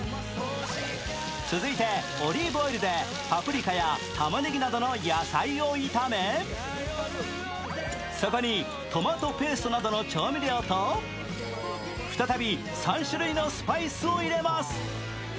続いて、オリーブオイルでパプリカや玉ねぎなどの野菜を炒めそこにトマトペーストなどの調味料と再び３種類のスパイスを入れます。